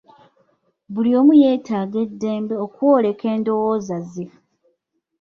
Buli omu yeetaaga eddembe okwoleka endowooza ze.